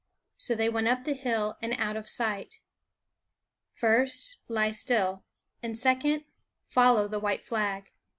So they went up the hill and out of sight. First, lie still; and second, follow the white flag.